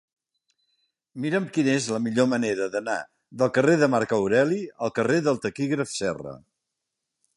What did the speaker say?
Mira'm quina és la millor manera d'anar del carrer de Marc Aureli al carrer del Taquígraf Serra.